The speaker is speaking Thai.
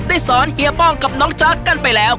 สอนเฮียป้องกับน้องจ๊ะกันไปแล้ว